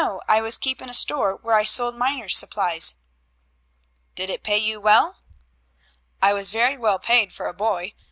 I was keeping a store where I sold miners' supplies." "Did it pay you well?" "I was very well paid for a boy.